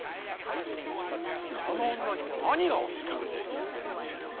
あの女には兄がおった。